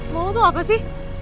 mau tuh apa sih